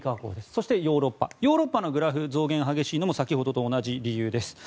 そしてヨーロッパヨーロッパのグラフの増減が激しいのも先ほどと同じ理由です。